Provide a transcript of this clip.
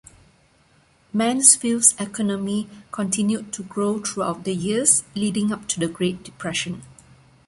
Mansfield's economy continued to grow throughout the years leading up to the Great Depression.